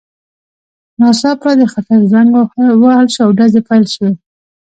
ناڅاپه د خطر زنګ ووهل شو او ډزې پیل شوې